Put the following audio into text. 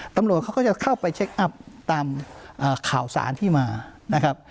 ตำรวจเขาก็จะเข้าไปเช็คอัพตามข่าวสารที่มานะครับ